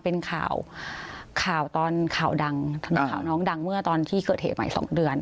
เป็นข่าวข่าวตอนข่าวดังถนนข่าวน้องดังเมื่อตอนที่เกิดเหตุใหม่สองเดือน